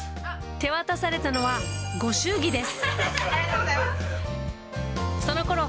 手渡されたのは、ご祝儀です。